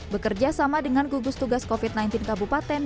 bekerja sama dengan gugus tugas covid sembilan belas kabupaten